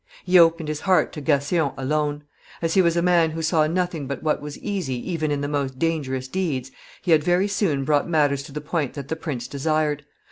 He opened his heart to Gassion alone. As he was a man who saw nothing but what was easy even in the most dangerous deeds, he had very soon brought matters to the point that the prince desired.